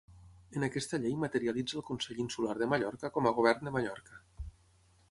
En aquesta llei materialitza el Consell Insular de Mallorca com a Govern de Mallorca.